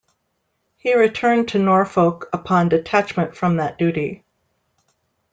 He returned to Norfolk upon detachment from that duty.